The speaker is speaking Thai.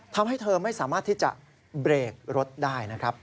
ทำให้เธอไม่สามารถที่จะเบรกรถได้นะครับ